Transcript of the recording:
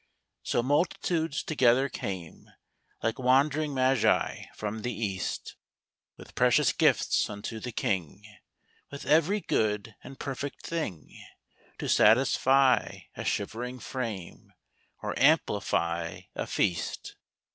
So multitudes together came, Like wandering magi from the East With precious gifts unto the King, With every good and perfect thing To satisfy a shivering frame Or amplify a feast.